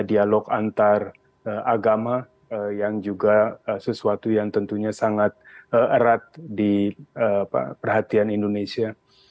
dialog antar agama yang juga sesuatu yang tentunya sangat erat di perhatian indonesia